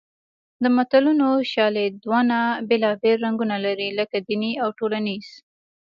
د متلونو شالیدونه بېلابېل رنګونه لري لکه دیني او ټولنیز